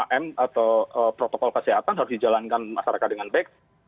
tiga m atau protokol kesehatan harus dijalankan masyarakat dengan baik